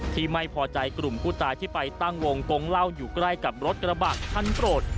ที่ไม่พอใจกลุ่มผู้ตายที่ไปตั้งวงกงเหล้าอยู่ใกล้กับรถกระบะคันโปรด